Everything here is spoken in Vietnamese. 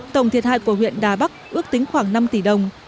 tổng thiệt hại của huyện đà bắc ước tính khoảng năm tỷ đồng